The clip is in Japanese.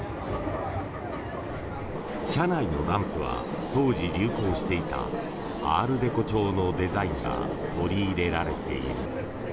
車内のランプは当時、流行していたアール・デコ調のデザインが取り入れられている。